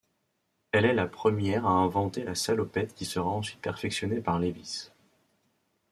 Elle est la première à inventer la salopette qui sera ensuite perfectionnée par Levi's.